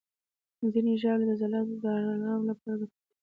ځینې ژاولې د عضلاتو د آرام لپاره ګټورې دي.